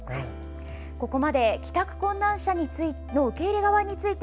ここまで、帰宅困難者の受け入れ側について